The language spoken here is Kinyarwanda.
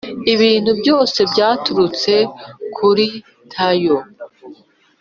“ibintu byose byaturutse kuri tao